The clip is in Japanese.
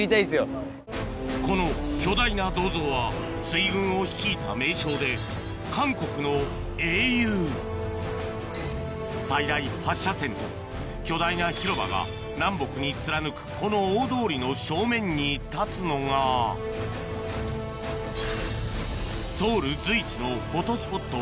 この巨大な銅像は水軍を率いた名将で韓国の英雄最大８車線と巨大な広場が南北に貫くこの大通りの正面に立つのがソウル随一のフォトスポット